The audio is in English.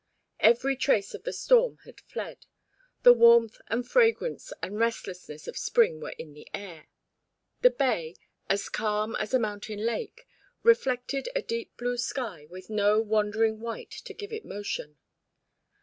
Every trace of the storm had fled. The warmth and fragrance and restlessness of spring were in the air. The bay, as calm as a mountain lake, reflected a deep blue sky with no wandering white to give it motion.